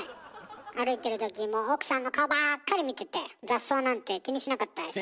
歩いてるときも奥さんの顔ばっかり見てて雑草なんて気にしなかったでしょ。